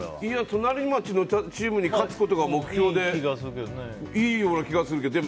隣町のチームに勝つことが目標でいいような気がするけど。